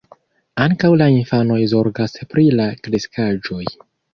Ankaŭ la infanoj zorgas pri la kreskaĵoj.